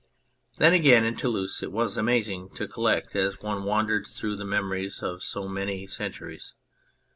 Then again, in Toulouse it was amazing to collect, as one wandered through, the memories of so many centuries.